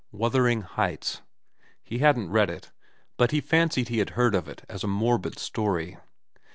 Wuthering Heights. He hadn't read it, but he fancied he had heard of it as a morbid story.